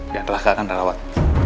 dan raka akan rawat